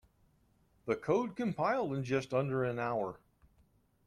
The code compiled in just under an hour.